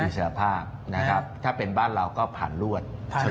อิสระภาพนะครับถ้าเป็นบ้านเราก็ผ่านรวด